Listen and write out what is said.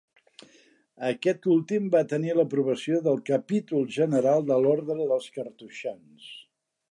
Aquest últim va tenir l'aprovació del capítol general de l'orde dels cartoixans.